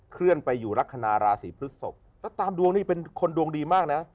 เคลื่อนไปอยู่ลักษณะราศีพฤศพแล้วตามดวงนี่เป็นคนดวงดีมากนะ